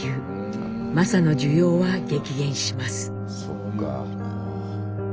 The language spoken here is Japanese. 柾の需要は激減します。